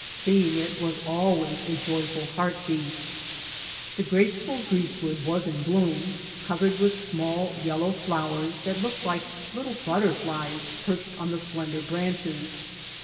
Seeing it was always a joyful heart beat. The graceful greasewood was in bloom, covered with small yellow flowers that looked like little butterflies perched on the slender branches.